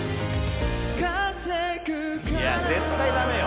いや絶対ダメよ。